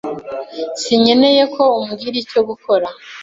Sinkeneye ko umbwira icyo gukora.